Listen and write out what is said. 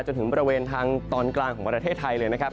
จนถึงบริเวณทางตอนกลางของประเทศไทยเลยนะครับ